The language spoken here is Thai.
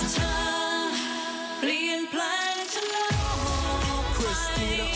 เธอเปลี่ยนแปลงฉันโลกออกไป